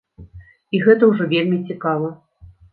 І гэта ўжо вельмі цікава.